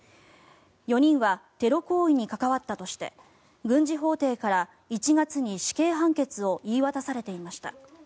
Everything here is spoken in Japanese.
４人はテロ行為に関わったとして軍事法廷から１月に死刑判決を言い渡されていました。